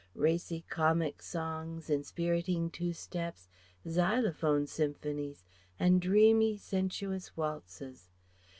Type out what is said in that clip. racy comic songs, inspiriting two steps, xylophone symphonies, and dreamy, sensuous waltzes.